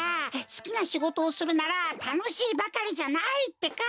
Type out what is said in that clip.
すきなしごとをするならたのしいばかりじゃないってか。